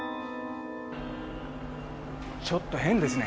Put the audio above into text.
ちょっと変ですね。